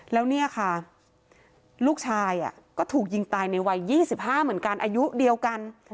แล้วเนี่ยค่ะลูกชายก็ถูกยิงตายในวัย๒๕เหมือนกันอายุเดียวกัน